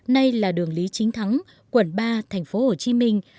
nay là đường lý chính thắng quận ba thành phố hồ chí minh